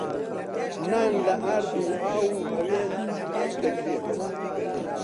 نان لە ئارد و ئاو و هەوێن دروست دەکرێت.